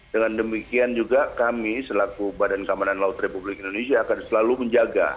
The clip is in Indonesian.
dengan demikian juga kami selaku badan kamanan laut republik indonesia akan selalu menjaga